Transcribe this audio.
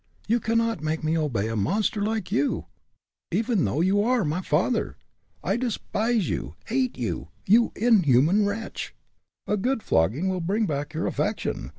You can not make me obey a monster like you, even though you are my father! I despise you, hate you, you inhuman wretch!" "A good flogging will bring back your affection.